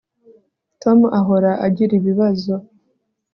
tom ahora agira ibibazo